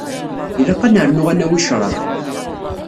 Ilaq ad nernu ad nawi ccrab.